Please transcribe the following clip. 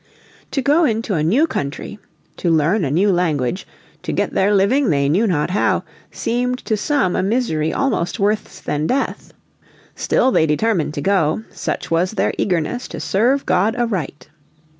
To go into a new country, to learn a new language, to get their living they know not how, seemed to some a misery almost worse than death. Still they determined to go, such was their eagerness to serve God aright.